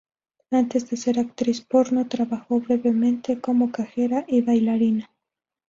Antes de ser actriz porno, trabajó brevemente como cajera y bailarina.